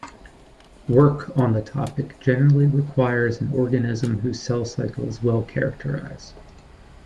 Work on the topic generally requires an organism whose cell cycle is well-characterized.